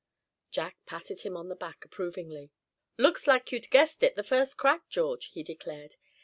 Jack patted him on the back approvingly. "Looks like you'd guessed it the first crack, George," he declared.